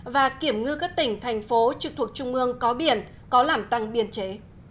và kiểm ngư các tỉnh thành phố trực thuộc trung ương có biển có làm tăng biên chế